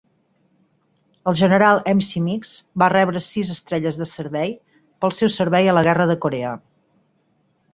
El general M. C. Meigs va rebre sis estrelles de servei, pel seu servei a la Guerra de Corea.